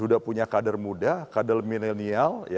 sudah punya kader muda kader milenial